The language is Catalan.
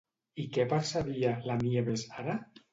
I què percebia, la Nieves, ara?